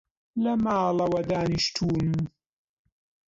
لە ماڵەوە دانیشتووم